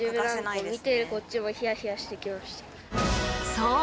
そう！